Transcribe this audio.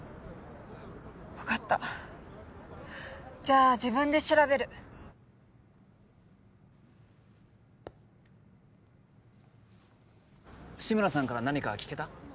分かったじゃあ自分で調べる志村さんから何か聞けた？